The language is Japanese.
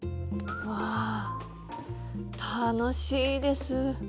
うわ楽しいです。